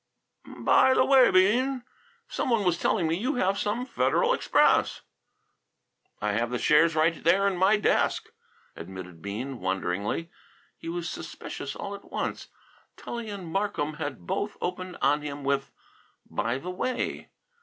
"By the way, Bean, some one was telling me you have some Federal Express." "Have the shares right there in my desk," admitted Bean, wonderingly. He was suspicious all at once. Tully and Markham had both opened on him with "By the way."